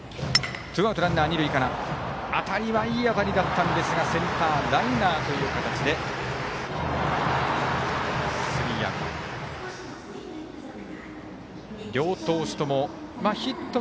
ツーアウト、ランナー二塁からあたりはいい当たりでしたがセンターライナーという形でスリーアウト。